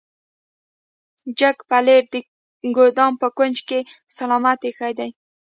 جک پلیټ د ګدام په کونج کې سلامت ایښی دی.